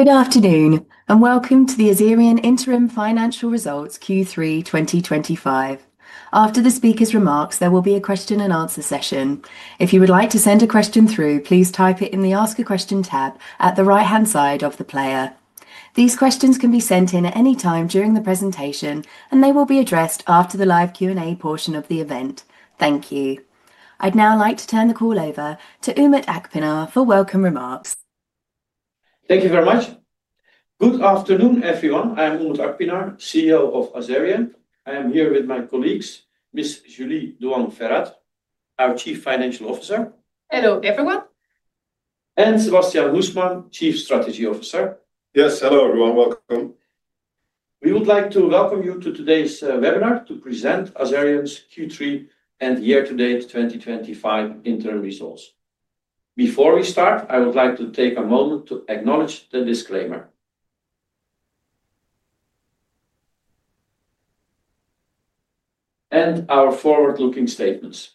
Good afternoon, and welcome to the Azerion Interim Financial Results Q3 2025. After the speaker's remarks, there will be a question and answer session. If you would like to send a question through, please type it in the ask a question tab at the right-hand side of the player. These questions can be sent in at any time during the presentation, and they will be addressed after the live Q&A portion of the event. Thank you. I'd now like to turn the call over to Umut Akpinar for welcome remarks. Thank you very much. Good afternoon, everyone. I'm Umut Akpinar, CEO of Azerion. I am here with my colleagues, Ms. Julie Duong Ferat, our Chief Financial Officer. Hello everyone. Sebastiaan Moesman, Chief Strategy Officer. Yes, hello everyone, welcome. We would like to welcome you to today's webinar to present Azerion's Q3 and year-to-date 2025 interim results. Before we start, I would like to take a moment to acknowledge the disclaimer and our forward-looking statements.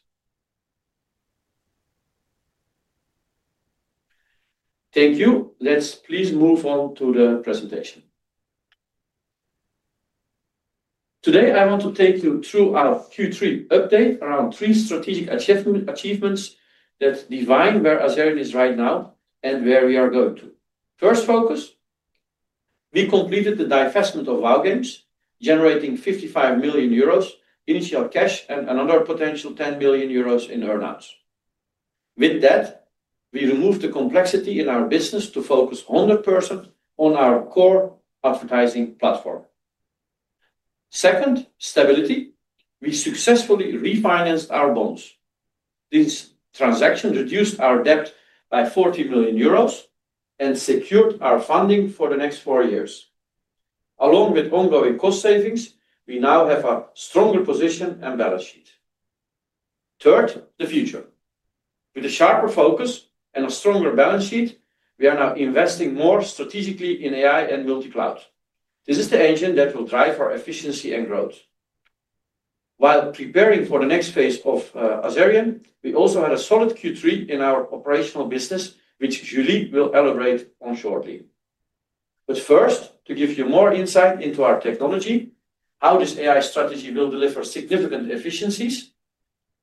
Thank you. Let's please move on to the presentation. Today, I want to take you through our Q3 update around three strategic achievements that define where Azerion is right now and where we are going to. First focus, we completed the divestment of Whow Games, generating 55 million euros in initial cash and another potential 10 million euros in earnings. With that, we removed the complexity in our business to focus 100% on our core advertising platform. Second, stability. We successfully refinanced our bonds. This transaction reduced our debt by 40 million euros and secured our funding for the next four years. Along with ongoing cost savings, we now have a stronger position and balance sheet. Third, the future. With a sharper focus and a stronger balance sheet, we are now investing more strategically in AI and multi-cloud. This is the engine that will drive our efficiency and growth. While preparing for the next phase of Azerion, we also had a solid Q3 in our operational business, which Julie will elaborate on shortly. First, to give you more insight into our technology, how this AI strategy will deliver significant efficiencies,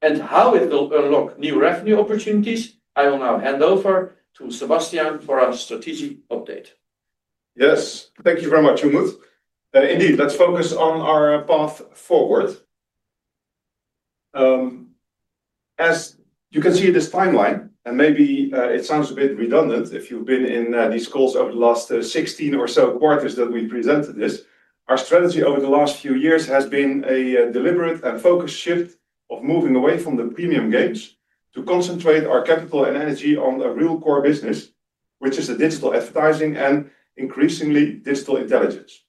and how it will unlock new revenue opportunities, I will now hand over to Sebastiaan for a strategic update. Yes, thank you very much, Umut. Indeed, let's focus on our path forward. As you can see in this timeline, and maybe it sounds a bit redundant if you've been in these calls over the last 16 or so quarters that we've presented this, our strategy over the last few years has been a deliberate and focused shift of moving away from the premium games to concentrate our capital and energy on a real core business, which is digital advertising and increasingly digital intelligence.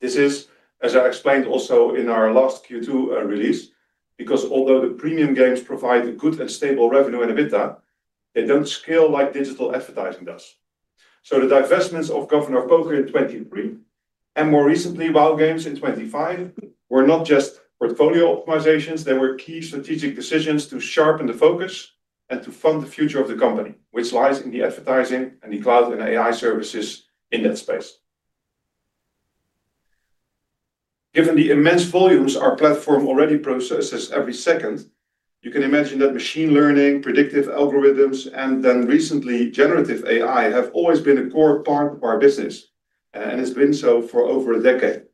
This is, as I explained also in our last Q2 release, because although the premium games provide good and stable revenue and EBITDA, they don't scale like digital advertising does. The divestments of Governor Poker in 2023 and more recently Whow Games in 2025 were not just portfolio optimizations. They were key strategic decisions to sharpen the focus and to fund the future of the company, which lies in the advertising and the cloud and AI services in that space. Given the immense volumes our platform already processes every second, you can imagine that machine learning, predictive algorithms, and then recently generative AI have always been a core part of our business, and it's been so for over a decade.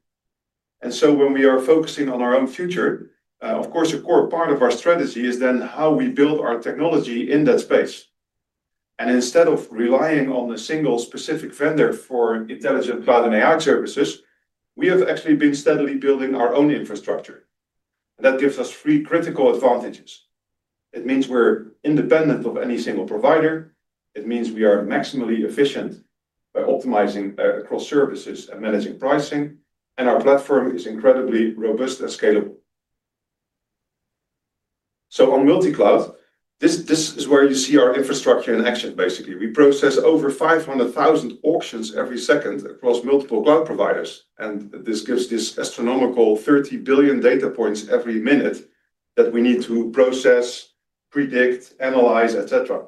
When we are focusing on our own future, of course, a core part of our strategy is then how we build our technology in that space. Instead of relying on a single specific vendor for intelligent cloud and AI services, we have actually been steadily building our own infrastructure. That gives us three critical advantages. It means we're independent of any single provider. It means we are maximally efficient by optimizing across services and managing pricing, and our platform is incredibly robust and scalable. On multi-cloud, this is where you see our infrastructure in action, basically. We process over 500,000 auctions every second across multiple cloud providers, and this gives this astronomical 30 billion data points every minute that we need to process, predict, analyze, etc.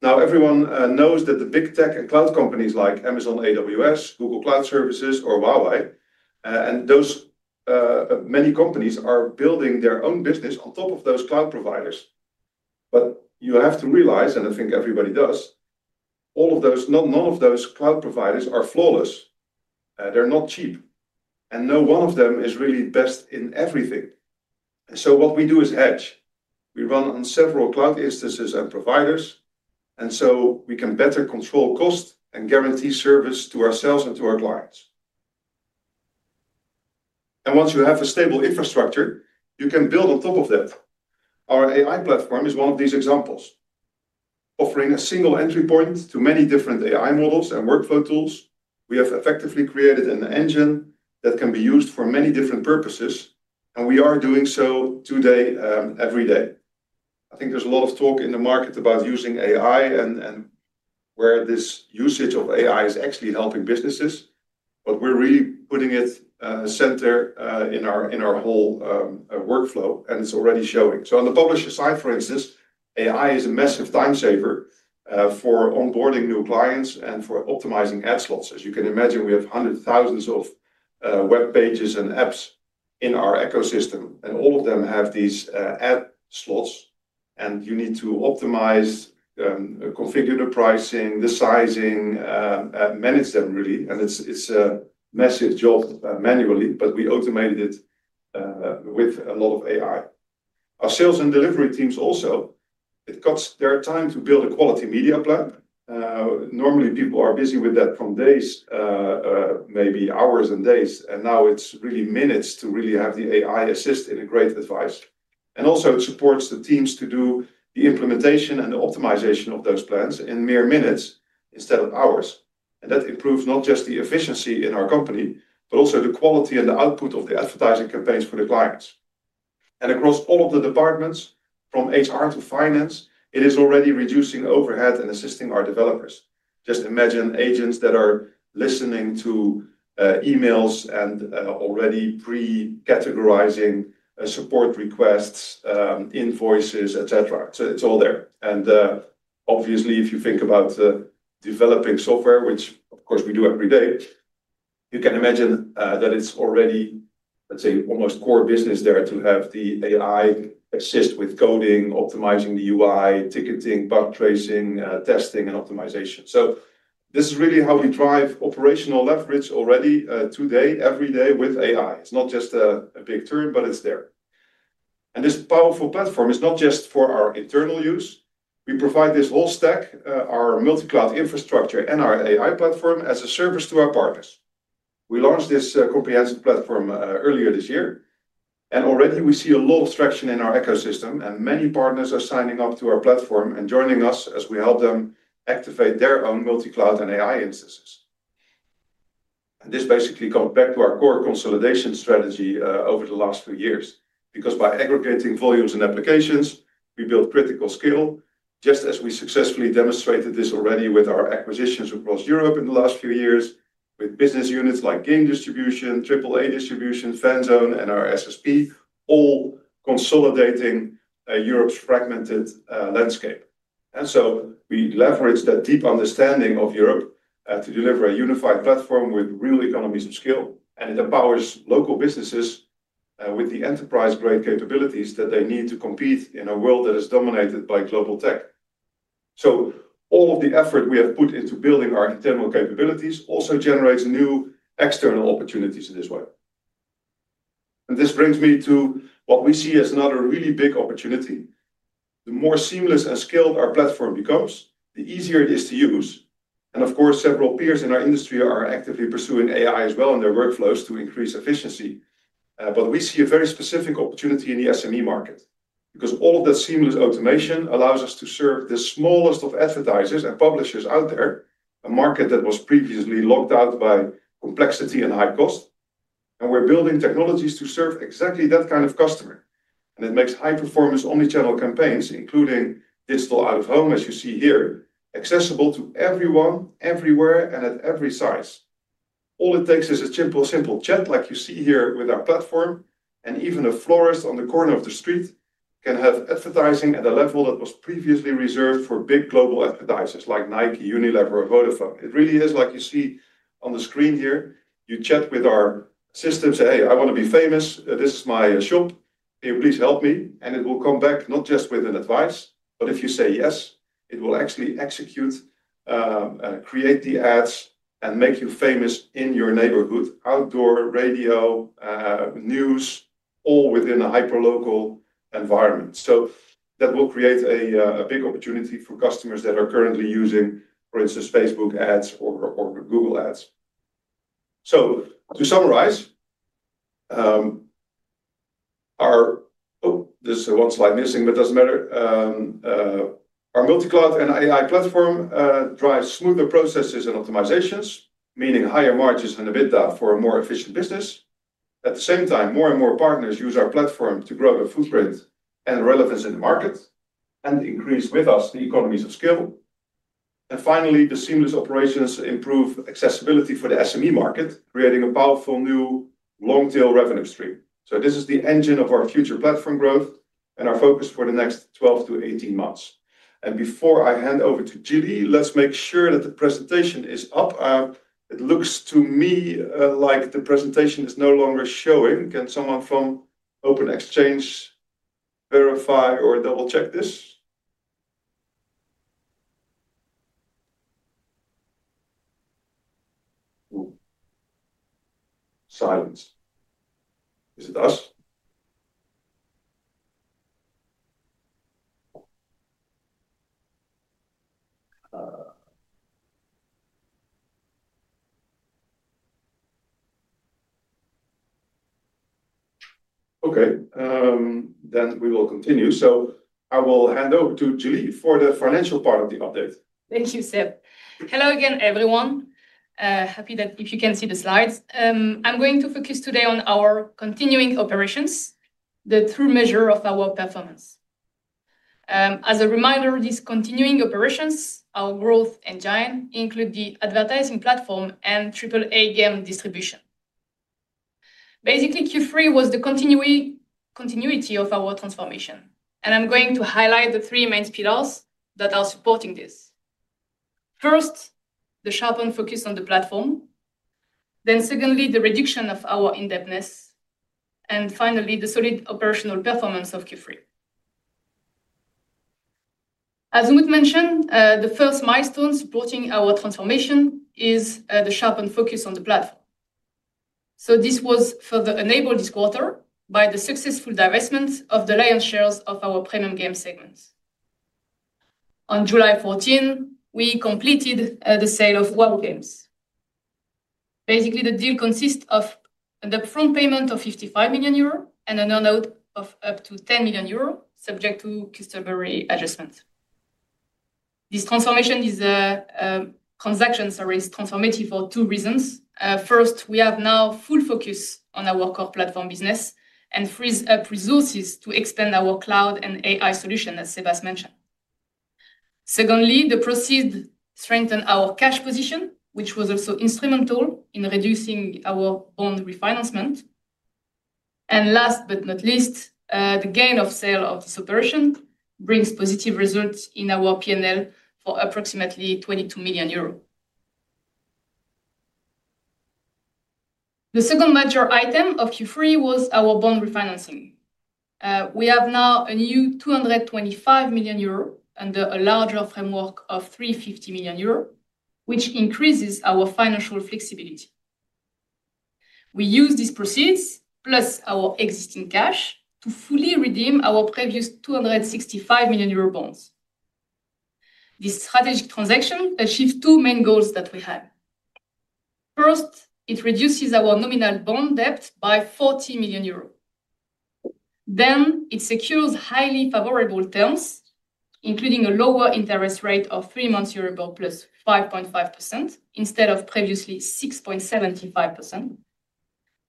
Now, everyone knows that the big tech and cloud companies like Amazon, AWS, Google Cloud Services, or Huawei, and those many companies are building their own business on top of those cloud providers. You have to realize, and I think everybody does, all of those, none of those cloud providers are flawless. They're not cheap, and no one of them is really best in everything. What we do is hedge. We run on several cloud instances and providers, and so we can better control cost and guarantee service to ourselves and to our clients. Once you have a stable infrastructure, you can build on top of that. Our AI platform is one of these examples, offering a single entry point to many different AI models and workflow tools. We have effectively created an engine that can be used for many different purposes, and we are doing so today, every day. I think there is a lot of talk in the market about using AI and where this usage of AI is actually helping businesses, but we are really putting it center in our whole workflow, and it is already showing. On the publisher side, for instance, AI is a massive time saver for onboarding new clients and for optimizing ad slots. As you can imagine, we have hundreds of thousands of web pages and apps in our ecosystem, and all of them have these ad slots, and you need to optimize, configure the pricing, the sizing, manage them, really. It is a massive job manually, but we automated it with a lot of AI. Our sales and delivery teams also, it cuts their time to build a quality media plan. Normally, people are busy with that for days, maybe hours and days, and now it is really minutes to really have the AI assist in a great advice. It also supports the teams to do the implementation and the optimization of those plans in mere minutes instead of hours. That improves not just the efficiency in our company, but also the quality and the output of the advertising campaigns for the clients. Across all of the departments, from HR to finance, it is already reducing overhead and assisting our developers. Just imagine agents that are listening to e-mails and already pre-categorizing support requests, invoices, etc. It is all there. Obviously, if you think about developing software, which of course we do every day, you can imagine that it is already, let's say, almost core business there to have the AI assist with coding, optimizing the UI, ticketing, bug tracing, testing, and optimization. This is really how we drive operational leverage already today, every day with AI. It is not just a big term, but it is there. This powerful platform is not just for our internal use. We provide this whole stack, our multi-cloud infrastructure, and our AI platform as a service to our partners. We launched this comprehensive platform earlier this year, and already we see a lot of traction in our ecosystem, and many partners are signing up to our platform and joining us as we help them activate their own multi-cloud and AI instances. This basically comes back to our core consolidation strategy over the last few years, because by aggregating volumes and applications, we build critical scale, just as we successfully demonstrated this already with our acquisitions across Europe in the last few years, with business units like Game Distribution, AAA Distribution, Fanzone, and our SSP, all consolidating Europe's fragmented landscape. We leverage that deep understanding of Europe to deliver a unified platform with real economies of scale, and it empowers local businesses with the enterprise-grade capabilities that they need to compete in a world that is dominated by global tech. All of the effort we have put into building our internal capabilities also generates new external opportunities in this way. This brings me to what we see as another really big opportunity. The more seamless and skilled our platform becomes, the easier it is to use. Of course, several peers in our industry are actively pursuing AI as well in their workflows to increase efficiency. We see a very specific opportunity in the SME market, because all of that seamless automation allows us to serve the smallest of advertisers and publishers out there, a market that was previously locked out by complexity and high cost. We are building technologies to serve exactly that kind of customer. It makes high-performance omnichannel campaigns, including digital out of home, as you see here, accessible to everyone, everywhere, and at every size. All it takes is a simple chat like you see here with our platform, and even a florist on the corner of the street can have advertising at a level that was previously reserved for big global advertisers`` like Nike, Unilever, or Vodafone. It really is like you see on the screen here. You chat with our systems, say, "Hey, I want to be famous. This is my shop. Can you please help me?" and it will come back not just with an advice, but if you say yes, it will actually execute, create the ads, and make you famous in your neighborhood, outdoor radio, news, all within a hyperlocal environment. That will create a big opportunity for customers that are currently using, for instance, Facebook ads or Google ads. To summarize, our—oh, there is one slide missing, but it does not matter. Our multi-cloud and AI platform drives smoother processes and optimizations, meaning higher margins and EBITDA for a more efficient business. At the same time, more and more partners use our platform to grow the footprint and relevance in the market and increase with us the economies of scale. Finally, the seamless operations improve accessibility for the SME market, creating a powerful new long-tail revenue stream. This is the engine of our future platform growth and our focus for the next 12 to 18 months. Before I hand over to Julie, let's make sure that the presentation is up. It looks to me like the presentation is no longer showing. Can someone from OpenExchange verify or double-check this? Silence. Is it us? Okay. We will continue. I will hand over to Julie for the financial part of the update. Thank you, Seb. Hello again, everyone. Happy that if you can see the slides. I'm going to focus today on our continuing operations, the true measure of our performance. As a reminder, these continuing operations, our growth engine, include the advertising platform and AAA Game Distribution. Basically, Q3 was the continuity of our transformation, and I'm going to highlight the three main pillars that are supporting this. First, the sharpened focus on the platform. Then secondly, the reduction of our indebtedness. And finally, the solid operational performance of Q3. As Umut mentioned, the first milestone supporting our transformation is the sharpened focus on the platform. This was further enabled this quarter by the successful divestment of the lion's shares of our premium game segments. On July 14, we completed the sale of Huawei Games. Basically, the deal consists of an upfront payment of 55 million euro and an earn-out of up to 10 million euro, subject to customary adjustments. This transformation is a transaction series transformative for two reasons. First, we have now full focus on our core platform business and freeze-up resources to expand our cloud and AI solution, as Sebas mentioned. Secondly, the proceeds strengthen our cash position, which was also instrumental in reducing our own refinancing. Last but not least, the gain of sale of this operation brings positive results in our P&L for approximately 22 million euros. The second major item of Q3 was our bond refinancing. We have now a new 225 million euro under a larger framework of 350 million euro, which increases our financial flexibility. We use these proceeds, plus our existing cash, to fully redeem our previous 265 million euro bonds. This strategic transaction achieves two main goals that we have. First, it reduces our nominal bond debt by 40 million euros. It secures highly favorable terms, including a lower interest rate of three months euro bond plus 5.5% instead of previously 6.75%.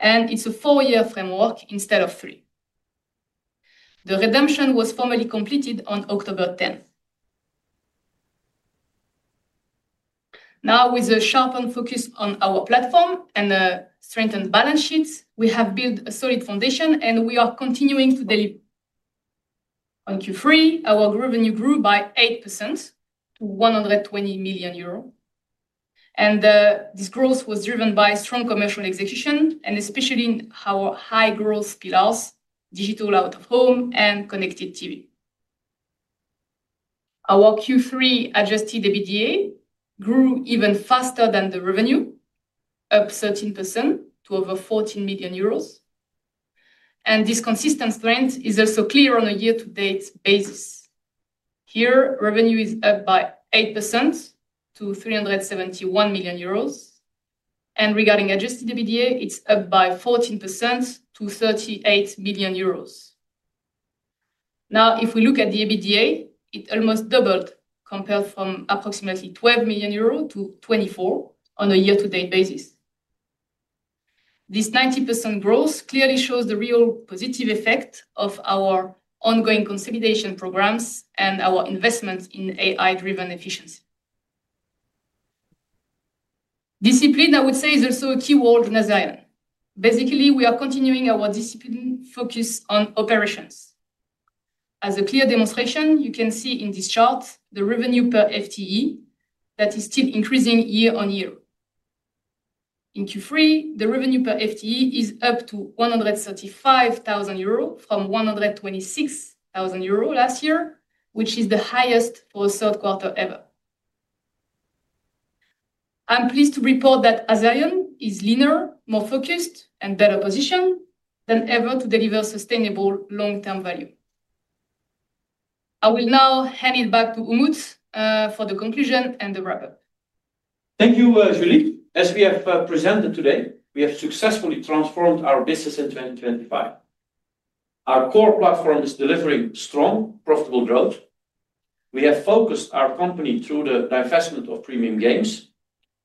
It is a four-year framework instead of three. The redemption was formally completed on October 10. Now, with a sharpened focus on our platform and a strengthened balance sheet, we have built a solid foundation, and we are continuing to deliver. On Q3, our revenue grew by 8% to 120 million euro. This growth was driven by strong commercial execution, and especially our high growth pillars, digital out of home and connected TV. Our Q3 adjusted EBITDA grew even faster than the revenue, up 13% to over 14 million euros. This consistent strength is also clear on a year-to-date basis. Here, revenue is up by 8% to 371 million euros. Regarding adjusted EBITDA, it's up by 14% to 38 million euros. Now, if we look at the EBITDA, it almost doubled compared from approximately 12 million euros to 24 million on a year-to-date basis. This 90% growth clearly shows the real positive effect of our ongoing consolidation programs and our investments in AI-driven efficiency. Discipline, I would say, is also a key word in Azerion. Basically, we are continuing our discipline focus on operations. As a clear demonstration, you can see in this chart the revenue per FTE that is still increasing year-on-year. In Q3, the revenue per FTE is up to 135,000 euro from 126,000 euro last year, which is the highest for a third quarter ever. I'm pleased to report that Azerion is leaner, more focused, and better positioned than ever to deliver sustainable long-term value. I will now hand it back to Umut for the conclusion and the wrap-up. Thank you, Julie. As we have presented today, we have successfully transformed our business in 2025. Our core platform is delivering strong, profitable growth. We have focused our company through the divestment of Premium Games,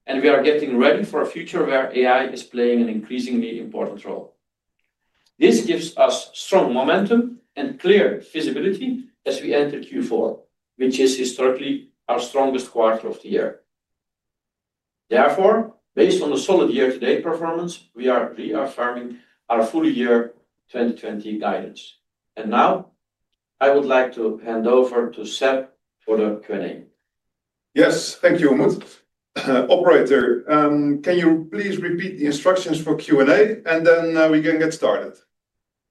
and we are getting ready for a future where AI is playing an increasingly important role. This gives us strong momentum and clear visibility as we enter Q4, which is historically our strongest quarter of the year. Therefore, based on the solid year-to-date performance, we are reaffirming our full year 2020 guidance. Now, I would like to hand over to Seb for the Q&A. Yes, thank you, Umut. Operator, can you please repeat the instructions for Q&A, and then we can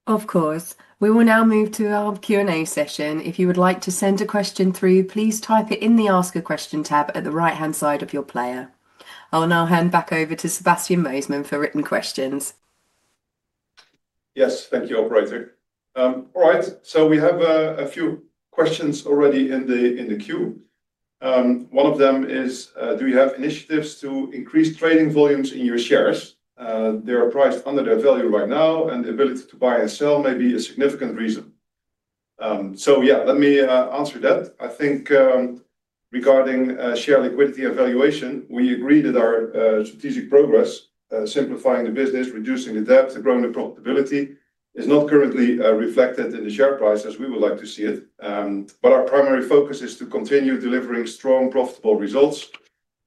get started? Of course. We will now move to our Q&A session. If you would like to send a question through, please type it in the ask a question tab at the right-hand side of your player. I'll now hand back over to Sebastiaan Moesman for written questions. Yes, thank you, Operator. All right, we have a few questions already in the queue. One of them is, do you have initiatives to increase trading volumes in your shares? They are priced under their value right now, and the ability to buy and sell may be a significant reason. Yeah, let me answer that. I think regarding share liquidity evaluation, we agree that our strategic progress, simplifying the business, reducing the debt, and growing the profitability is not currently reflected in the share price as we would like to see it. Our primary focus is to continue delivering strong, profitable results,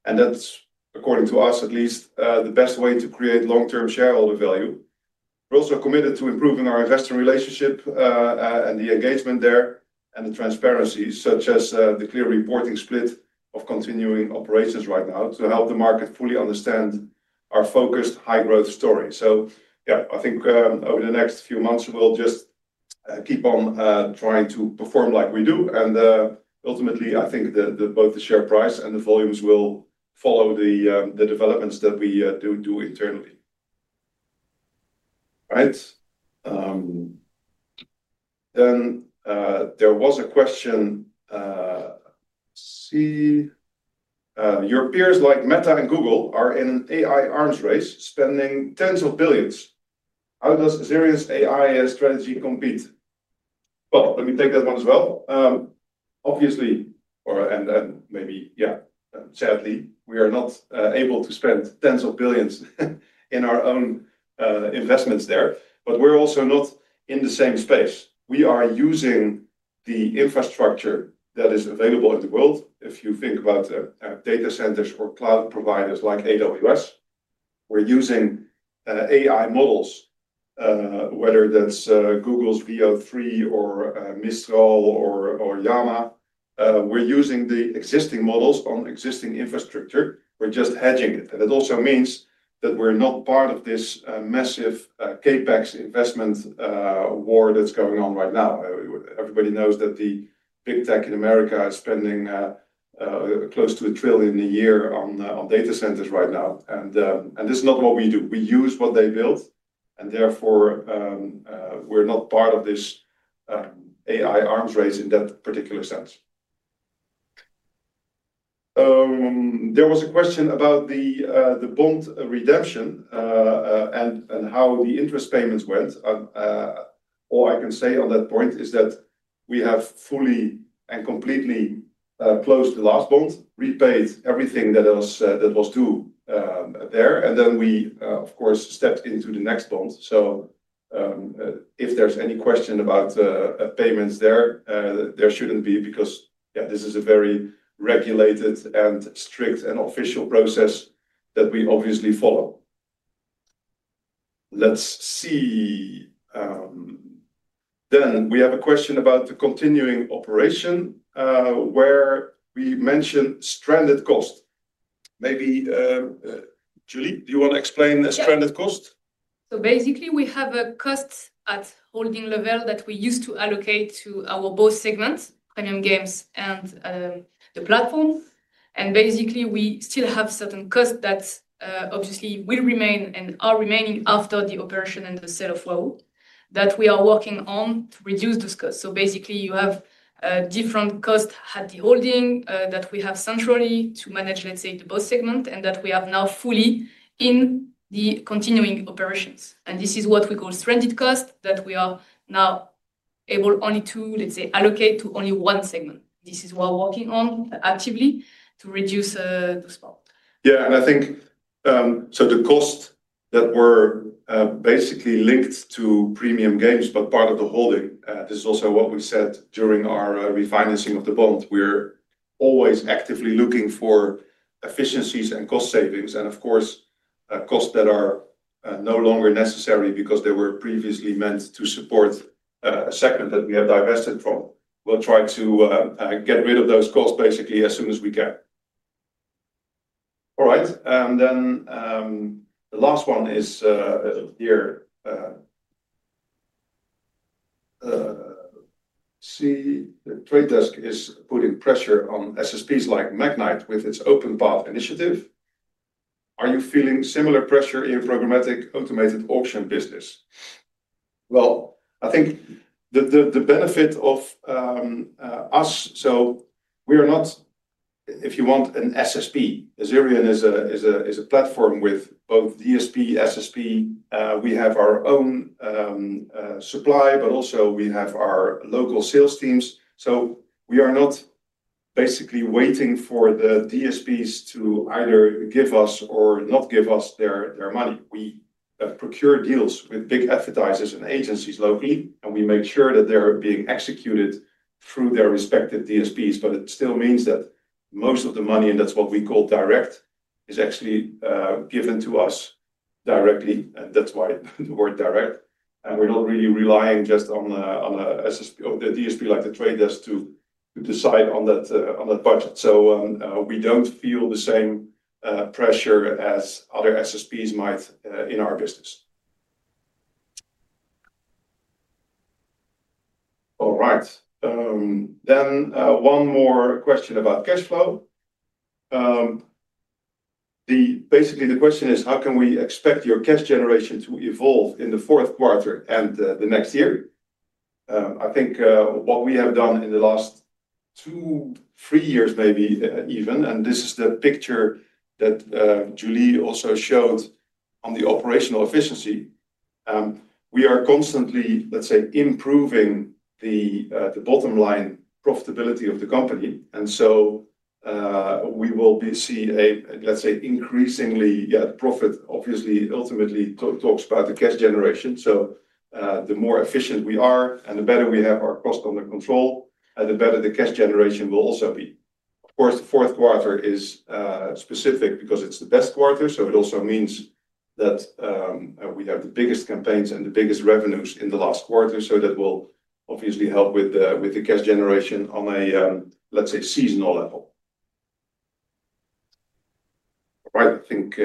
and that is, according to us at least, the best way to create long-term shareholder value. We're also committed to improving our investor relationship and the engagement there and the transparency, such as the clear reporting split of continuing operations right now to help the market fully understand our focused high-growth story. Yeah, I think over the next few months, we'll just keep on trying to perform like we do. Ultimately, I think both the share price and the volumes will follow the developments that we do internally. All right. There was a question. Let's see. Your peers like Meta and Google are in an AI arms race spending tens of billions. How does Azerion's AI strategy compete? Let me take that one as well. Obviously, and maybe, yeah, sadly, we are not able to spend tens of billions in our own investments there, but we're also not in the same space. We are using the infrastructure that is available in the world. If you think about data centers or cloud providers like AWS, we're using AI models, whether that's Google's Veo3 or Mistral or Llama We're using the existing models on existing infrastructure. We're just hedging it. It also means that we're not part of this massive CapEx investment war that's going on right now. Everybody knows that the big tech in America is spending close to $1 trillion a year on data centers right now. This is not what we do. We use what they build. Therefore, we're not part of this AI arms race in that particular sense. There was a question about the bond redemption and how the interest payments went. All I can say on that point is that we have fully and completely closed the last bond, repaid everything that was due there. We, of course, stepped into the next bond. If there's any question about payments there, there shouldn't be because, yeah, this is a very regulated and strict and official process that we obviously follow. Let's see. We have a question about the continuing operation where we mentioned stranded cost. Maybe Julie, do you want to explain stranded cost? Basically, we have a cost at holding level that we used to allocate to our both segments, Premium Games and the platform. Basically, we still have certain costs that obviously will remain and are remaining after the operation and the sale of Huawei that we are working on to reduce those costs. Basically, you have different costs at the holding that we have centrally to manage, let's say, the both segments and that we have now fully in the continuing operations. This is what we call stranded cost that we are now able only to, let's say, allocate to only one segment. This is what we're working on actively to reduce those parts. Yeah, and I think so the costs that were basically linked to Premium Games but part of the holding, this is also what we said during our refinancing of the bond. We are always actively looking for efficiencies and cost savings. Of course, costs that are no longer necessary because they were previously meant to support a segment that we have divested from. We will try to get rid of those costs basically as soon as we can. All right. And then the last one is here. Let's see. The Trade Desk is putting pressure on SSPs like Magnite with its OpenPath initiative. Are you feeling similar pressure in programmatic automated auction business? I think the benefit of us, so we are not, if you want, an SSP. Azerion is a platform with both DSP, SSP. We have our own supply, but also we have our local sales teams. We are not basically waiting for the DSPs to either give us or not give us their money. We procure deals with big advertisers and agencies locally, and we make sure that they're being executed through their respective DSPs. It still means that most of the money, and that's what we call direct, is actually given to us directly. That is why the word direct. We are not really relying just on the DSP like The Trade Desk to decide on that budget. We do not feel the same pressure as other SSPs might in our business. All right. One more question about cash flow. Basically, the question is, how can we expect your cash generation to evolve in the fourth quarter and the next year? I think what we have done in the last two, three years maybe even, and this is the picture that Julie also showed on the operational efficiency. We are constantly, let's say, improving the bottom line profitability of the company. We will see a, let's say, increasingly, yeah, profit obviously ultimately talks about the cash generation. The more efficient we are and the better we have our cost under control, the better the cash generation will also be. Of course, the fourth quarter is specific because it's the best quarter. It also means that we have the biggest campaigns and the biggest revenues in the last quarter. That will obviously help with the cash generation on a, let's say, seasonal level. All right. I think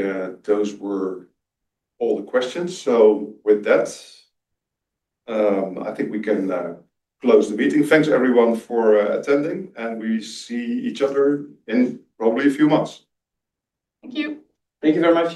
those were all the questions. With that, I think we can close the meeting. Thanks everyone for attending, and we see each other in probably a few months. Thank you. Thank you very much.